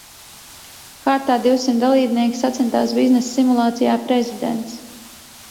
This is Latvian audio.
Kārtā divsimt dalībnieki sacentās biznesa simulācijā "Prezidents".